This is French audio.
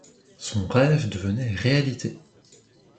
Son rêve devenait réalité.